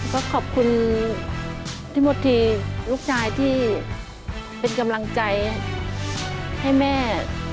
ก็ขอบคุณพี่มดทีลูกชายที่เป็นกำลังใจให้แม่